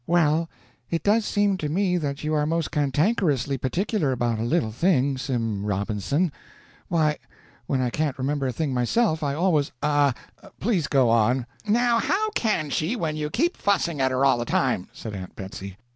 "Well, it does seem to me that you are most cantankerously particular about a little thing, Sim Robinson. Why, when I can't remember a thing myself, I always " "Ah, please go on!" "Now how can she when you keep fussing at her all the time?" said Aunt Betsy.